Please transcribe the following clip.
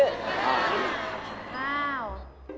อ้าว